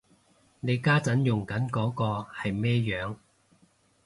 你家陣用緊嗰個係咩樣